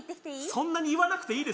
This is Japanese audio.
そんなに言わなくていいですよ